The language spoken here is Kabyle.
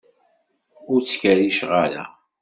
Ur ttkerriceɣ ara.